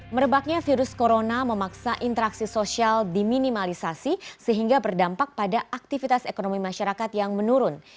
merebaknya virus corona memaksa interaksi sosial diminimalisasi sehingga berdampak pada aktivitas ekonomi masyarakat yang menurun